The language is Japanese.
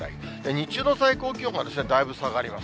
日中の最高気温がだいぶ下がります。